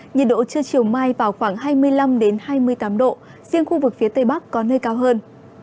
nhiệt độ trưa chiều mai vào khoảng hai mươi năm hai mươi tám độ riêng khu vực phía tây bắc có nơi cao hơn